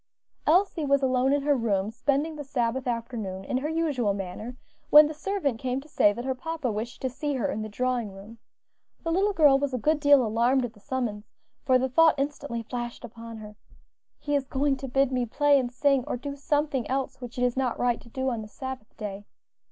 Elsie was alone in her own room, spending the Sabbath afternoon in her usual manner, when the servant came to say that her papa wished to see her in the drawing room. The little girl was a good deal alarmed at the summons, for the thought instantly flashed upon her, "He is going to bid me play and sing, or do something else which it is not right to do on the Sabbath day."